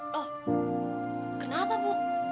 loh kenapa bu